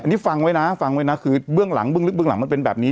นี่ฟังไว้นะฟังไว้นะคือเบื้องหลังเบื้องลึกเบื้องหลังมันเป็นแบบนี้